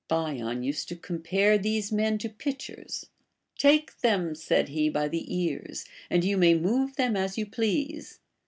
Bion used to compare these men to pitchers : Take them, said he, by the ears, and you may move them as you please.